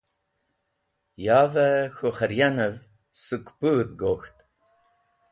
Yawẽ k̃hũ khẽryanẽv sek pũdh gok̃ht.